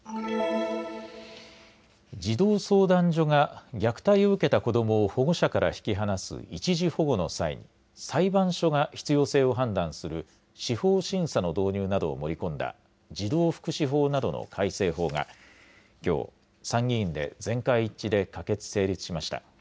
児童相談所が虐待を受けた子どもを保護者から引き離す一時保護の際に裁判所が必要性を判断する司法審査の導入などを盛り込んだ児童福祉法などの改正法がきょう参議院で全会一致で可決・成立しました。